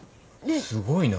すごいな。